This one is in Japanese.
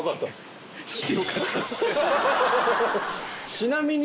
ちなみに。